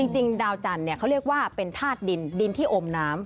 จริงดาวจันทร์เขาเรียกว่าเป็นธาตุดินดินที่อมน้ำ